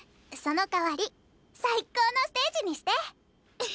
そのかわり最高のステージにして？